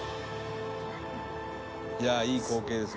「いやあいい光景です